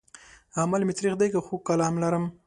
عمل مې تريخ دی که خوږ کلام لرم